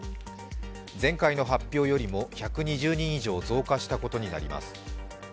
前回の発表よりも１２０人以上増加したことになります。